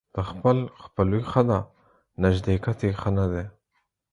د خپل خپلوي ښه ده ، نژدېکت يې ښه نه دى.